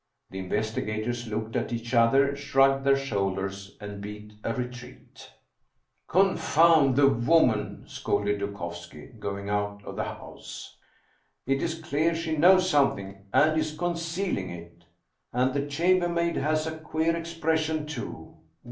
The investigators looked at each other, shrugged their shoul ders, and beat a retreat. " Confound the woman !" scolded Dukovski, going out of 166 Anton Chekhoff the house. " It is clear she knows something, and is con cealing it! And the chambermaid has a queer expression too